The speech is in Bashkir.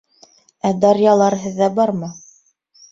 Ә дарьялар һеҙҙә бармы?